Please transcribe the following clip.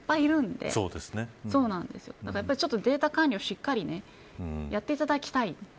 だからデータ管理をしっかりやっていただきたい。